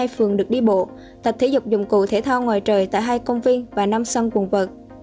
hai phường được đi bộ tập thể dục dụng cụ thể thao ngoài trời tại hai công viên và năm săn quần vợn